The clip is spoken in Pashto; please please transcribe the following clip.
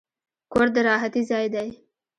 کور د راحتي ځای دی.